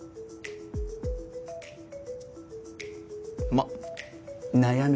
まっ悩め